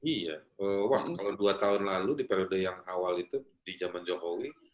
iya wah kalau dua tahun lalu di periode yang awal itu di zaman jokowi